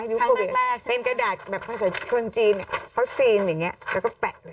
โควิดเป็นกระดาษแบบภาษาคนจีนเขาซีนอย่างนี้แล้วก็แปะเลย